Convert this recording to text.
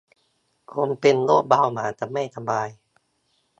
คนเป็นโรคเบาหวาน จะไม่สบาย